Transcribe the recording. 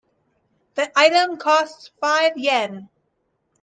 The item costs five Yen.